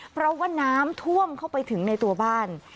เพราะว่าน้ำท่วมเข้าไปถึงในตัวบ้าน